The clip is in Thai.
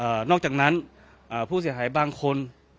นอกจากนั้นอ่าผู้เสียหายบางคน